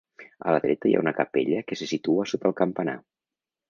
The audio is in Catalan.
A la dreta hi ha una capella que se situa sota el campanar.